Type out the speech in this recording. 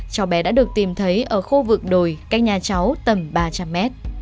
cháu bé đã được tìm thấy ở khu vực đồi cách nhà cháu tầm ba trăm linh mét